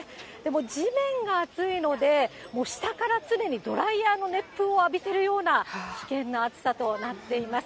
地面が暑いので、下から常にドライヤーの熱風を浴びたような危険な暑さとなっています。